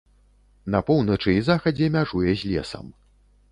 На поўначы і захадзе мяжуе з лесам.